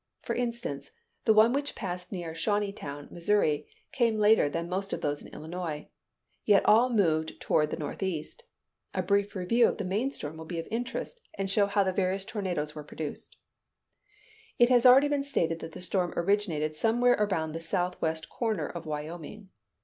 For instance, the one which passed near Shawneetown, Missouri, came later than most of those in Illinois; yet all moved toward the northeast. A brief review of the main storm will be of interest, and show how the various tornadoes were produced. It has already been stated that the storm originated somewhere about the southwest corner of Wyoming.